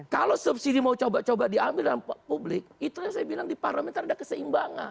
kalau subsidi mau coba coba diambil dalam publik itu yang saya bilang di parliamentar ada keseimbangan